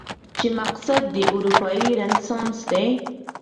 چې مقصد دې اروپايي رنسانس دی؟